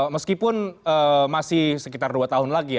meskipun masih sekitar dua tahun lagi ya